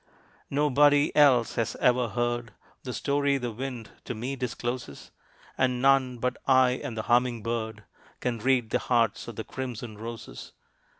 Nobody else has ever heard The story the Wind to me discloses; And none but I and the humming bird Can read the hearts of the crimson roses.